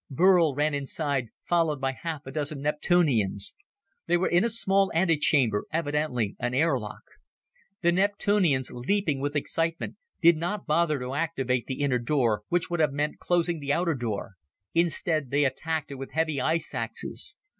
Burl ran inside, followed by half a dozen Neptunians. They were in a small antechamber, evidently an air lock. The Neptunians, leaping with excitement, did not bother to activate the inner door, which would have meant closing the outer door. Instead, they attacked it with heavy ice axes.